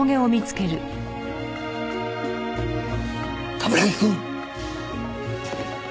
冠城くん！